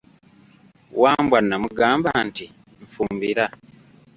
Wambwa namugamba nti, nfumbira.